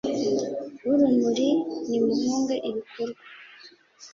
b'urumuri, nimuhunge ibikorwa